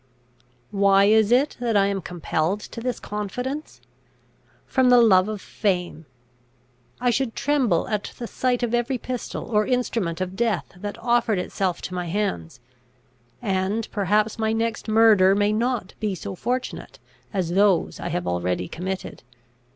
"Why is it that I am compelled to this confidence? From the love of fame. I should tremble at the sight of every pistol or instrument of death that offered itself to my hands; and perhaps my next murder may not be so fortunate as those I have already committed.